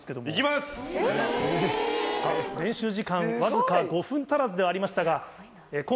練習時間わずか５分足らずではありましたが。